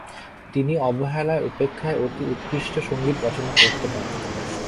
তিনি অবহেলায় উপেক্ষায় অতি উৎকৃষ্ট সঙ্গীত রচনা করতে পারতেন।